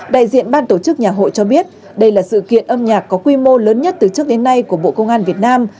đại diện ban tổ chức nhà hội cho biết đây là sự kiện âm nhạc có quy mô lớn nhất từ trước đến nay của bộ công an việt nam